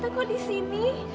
tante kok di sini